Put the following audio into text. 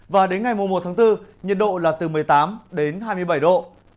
và đến ngày một bốn nhiệt độ là từ một mươi tám hai mươi bảy độ